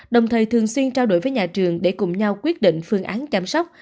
đồng thời thường xuyên trao đổi với nhà trường để cùng nhau quyết định phương án chăm sóc